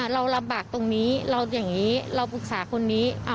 เราลำบากตรงนี้เราอย่างนี้เราปรึกษาคนนี้